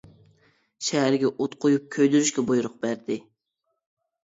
شەھەرگە ئوت قويۇپ كۆيدۈرۈشكە بۇيرۇق بەردى.